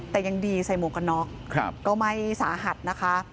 แต่ยังดีใส่หมวกกันน็อกก็ไม่สาหัสนะคะ